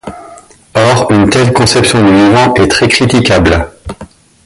Or une telle conception du vivant est très critiquable.